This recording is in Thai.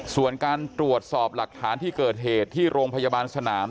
ส่วนการตรวจสอบหลักฐานที่เกิดเหตุที่โรงพยาบาลสนาม